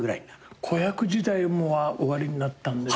子役時代もおありになったんですよね。